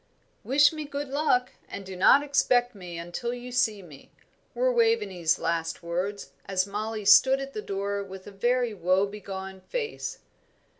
"Wish me good luck, and do not expect me until you see me," were Waveney's last words, as Mollie stood at the door with a very woe begone face.